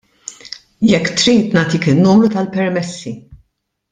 Jekk trid nagħtik in-numri tal-permessi.